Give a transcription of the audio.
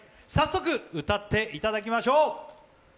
早速、歌っていただきましょう。